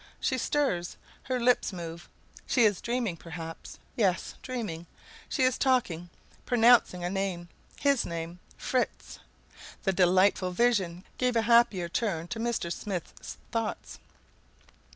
She stirs? Her lips move. She is dreaming perhaps? Yes, dreaming. She is talking, pronouncing a name his name Fritz! The delightful vision gave a happier turn to Mr. Smith's thoughts.